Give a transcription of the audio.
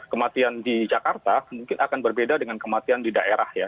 kematian di jakarta mungkin akan berbeda dengan kematian di daerah ya